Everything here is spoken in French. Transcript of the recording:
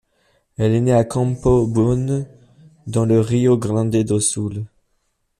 Elle est née à Campo Bom, dans le Rio Grande do Sul.